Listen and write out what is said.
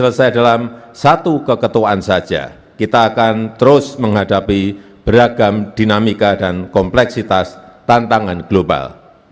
selesai dalam satu keketuaan saja kita akan terus menghadapi beragam dinamika dan kompleksitas tantangan global